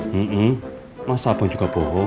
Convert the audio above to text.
hmm masa bapak juga bohong